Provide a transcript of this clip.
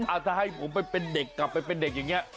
ถ้าให้ผมไปเป็นเด็กกลับไปเป็นเด็กอย่างนี้